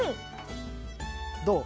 どう？